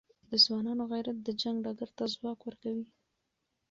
د ځوانانو غیرت د جنګ ډګر ته ځواک ورکوي.